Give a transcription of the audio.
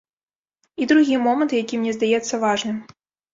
І другі момант, які мне здаецца важным.